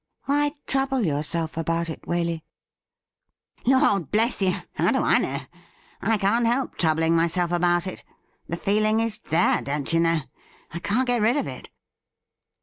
' Why trouble yourself about it, Waley ?'' Lord bless you ! how do I know ? I can't help troubling myself about it. The feeling is there, don't you know. I can't get rid of it.'